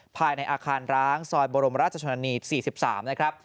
ภายในอาคารร้างซอยบรมราชชนนานี๔๓นะครับ